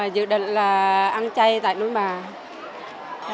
dự định là ăn chay tại núi bà